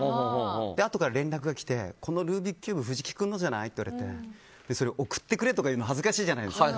あとから連絡が来てこのルービックキューブ藤木君のじゃない？って言われて送ってくれとかいうの恥ずかしいじゃないですか。